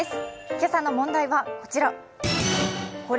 今朝の問題はこちら。